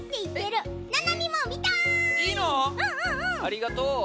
ありがとう。